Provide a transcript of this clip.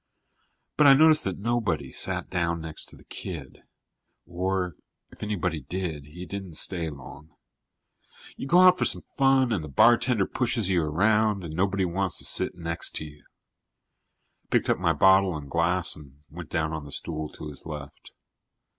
But I noticed that nobody sat down next to the kid, or, if anybody did, he didn't stay long you go out for some fun and the bartender pushes you around and nobody wants to sit next to you. I picked up my bottle and glass and went down on the stool to his left.